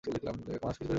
এক মাস কিছু দীর্ঘকাল নহে।